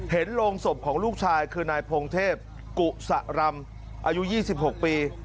โรงศพของลูกชายคือนายพงเทพกุศรำอายุ๒๖ปี